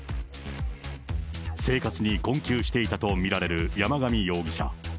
生活に困窮していたと見られる山上容疑者。